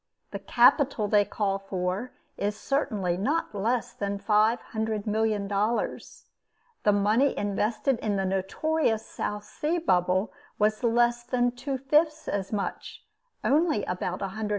The capital they call for, is certainly not less than five hundred million dollars. The money invested in the notorious South Sea Bubble was less than two fifths as much only about $190,000,000.